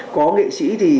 có nghệ sĩ thì